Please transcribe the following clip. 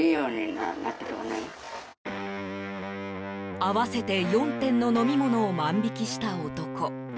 合わせて４点の飲み物を万引きした男。